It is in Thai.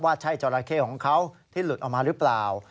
ใช่จราเข้ของเขาที่หลุดออกมาหรือเปล่า